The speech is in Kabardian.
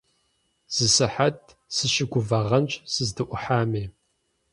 Зы сыхьэт сыщыгувагъэнщ сыздыӀухьами.